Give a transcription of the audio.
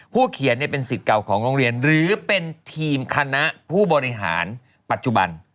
เขียนเป็นสิทธิ์เก่าของโรงเรียนหรือเป็นทีมคณะผู้บริหารปัจจุบัน